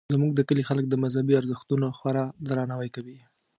زموږ د کلي خلک د مذهبي ارزښتونو خورا درناوی کوي